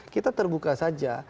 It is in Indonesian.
kita terbuka saja